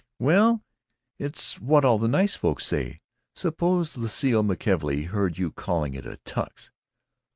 "Well, it's what all the nice folks say. Suppose Lucile McKelvey heard you calling it a 'Tux.